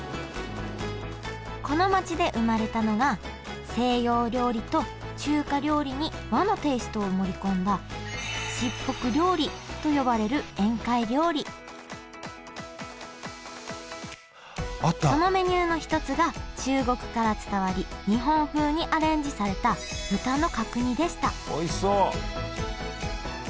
この街で生まれたのが西洋料理と中華料理に和のテイストを盛り込んだ卓袱料理と呼ばれる宴会料理そのメニューの一つが中国から伝わり日本風にアレンジされた豚の角煮でしたおいしそう！